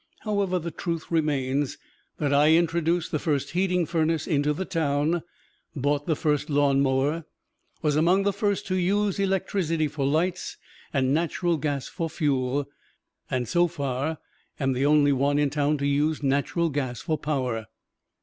However, the truth remains that I introduced the first heating furnace into the town; bought the first lawn mower; was among the first to use electricity for lights and natural gas for fuel; and so far, am the only one in town to use natural gas for power.